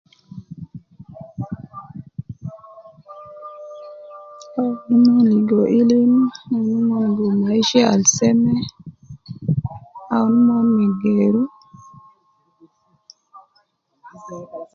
Aunu umon ligo ilim aunu umon ligo maisha al seme, aunu umon me geru.